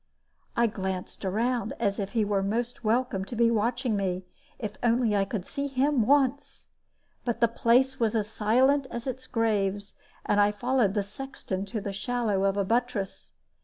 I glanced around, as if he were most welcome to be watching me, if only I could see him once. But the place was as silent as its graves; and I followed the sexton to the shadow of a buttress.